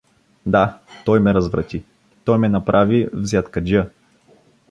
Да, той ме разврати, той ме направи взяткаджия!